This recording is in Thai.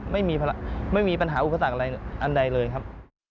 ไม่มีปัญหาอุปสรรคอะไรอันใดเลยครับ